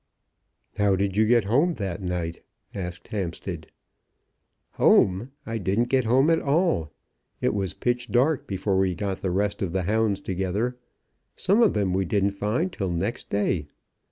"How did you get home that night?" asked Hampstead. "Home! I didn't get home at all. It was pitch dark before we got the rest of the hounds together. Some of them we didn't find till next day.